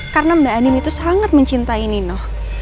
karena mbak andin itu sangat mencintai nino